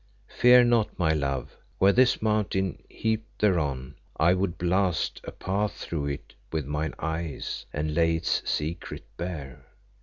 "Fear not, my love, were this mountain heaped thereon, I would blast a path through it with mine eyes and lay its secret bare.